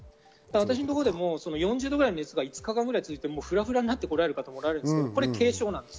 私のところでも４０度くらいの熱が５日間ぐらい続いてふらふらになってくる方もいるんですが軽症です。